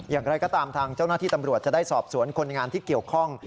อย่างไรก็ตามทางเจ้าหน้าที่ตำรวจจะได้สอบสวนคนงานที่เกี่ยวข้อง